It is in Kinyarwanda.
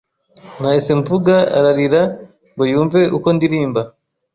Nahise mvuga ararira ngo yumve uko ndirimba